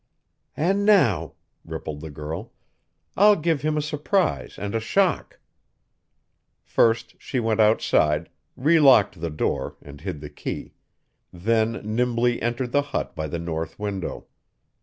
"And now," rippled the girl, "I'll give him a surprise and a shock!" First, she went outside, relocked the door and hid the key; then nimbly entered the hut by the north window.